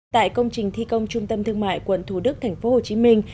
tại công trình thi công trung tâm thương mại quận thủ đức thành phố hồ chí minh